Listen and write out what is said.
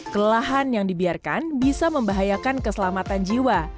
kelahan yang dibiarkan bisa membahayakan keselamatan jiwa